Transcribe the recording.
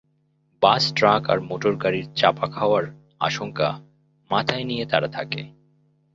বাস, truck আর মোটরগাড়ির চাপা খাওয়ার আশঙ্কা মাথায় নিয়ে তারা থাকে।